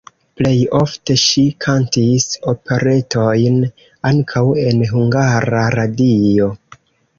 Plej ofte ŝi kantis operetojn, ankaŭ en Hungara Radio.